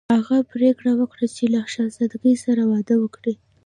هغه پریکړه وکړه چې له شهزادګۍ سره واده وکړي.